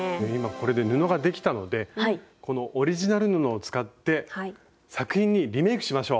これで布ができたのでこのオリジナル布を使って作品にリメイクしましょう！